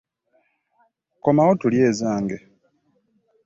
Komawo tulye ezange.